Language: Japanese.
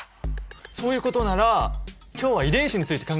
そういうことなら今日は遺伝子について考えてみる？